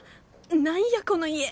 何やこの家！